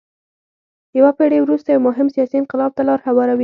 یوه پېړۍ وروسته یو مهم سیاسي انقلاب ته لار هواروي.